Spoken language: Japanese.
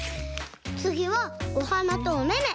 つぎはおはなとおめめ。